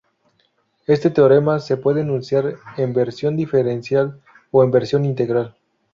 Este teorema se puede enunciar en versión diferencial o en versión integral.